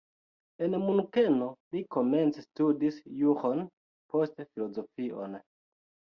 En Munkeno li komence studis juron, poste filozofion.